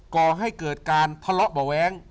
ก่อให้เกิดการทะเลาะเบาะแว้ง